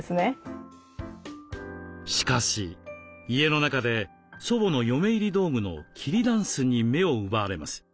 しかし家の中で祖母の嫁入り道具の桐ダンスに目を奪われます。